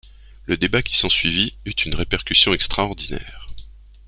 Le débat qui s'ensuivit, eut une répercussion extraordinaire.